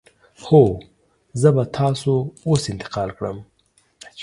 هو، زه به تاسو اوس انتقال کړم.